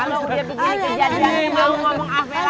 kalau udah begini kejadian mau ngomong apa lagi